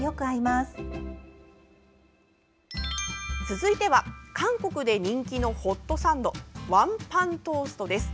続いては韓国で人気のホットサンドワンパントーストです。